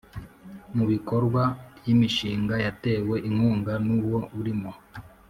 mu bikorwa ry imishinga yatewe inkunga nuwo urimo